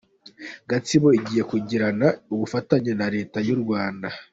Gatsibo igiye kugirana ubufatanye na leta y’urwanda